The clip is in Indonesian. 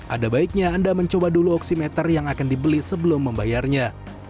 ada baiknya anda mencoba dulu oksimeter yang akan dibeli sebelum membayarnya